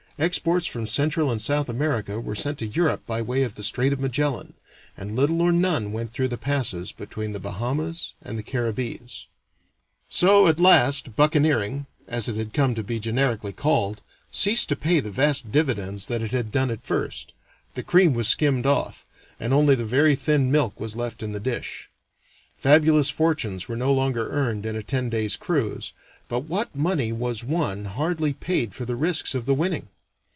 Exports from Central and South America were sent to Europe by way of the Strait of Magellan, and little or none went through the passes between the Bahamas and the Caribbees. So at last "buccaneering," as it had come to be generically called, ceased to pay the vast dividends that it had done at first. The cream was skimmed off, and only very thin milk was left in the dish. Fabulous fortunes were no longer earned in a ten days' cruise, but what money was won hardly paid for the risks of the winning.